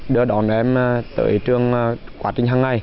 đưa đón em tới trường quá trình hằng ngày